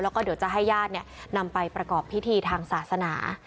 แล้วก็เดี๋ยวจะให้ญาตินำไปประกอบพิธีทางศาสนา